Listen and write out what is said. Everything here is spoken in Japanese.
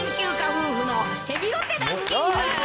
夫婦のヘビロテランキング。